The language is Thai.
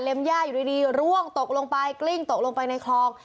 ย่าอยู่ดีร่วงตกลงไปกลิ้งตกลงไปในคลอง